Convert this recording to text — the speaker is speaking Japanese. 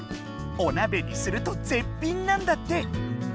おなべにすると絶品なんだって！